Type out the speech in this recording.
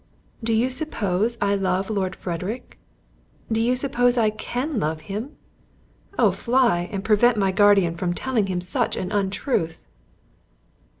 "Do you suppose I love Lord Frederick? Do you suppose I can love him? Oh fly, and prevent my guardian from telling him such an untruth."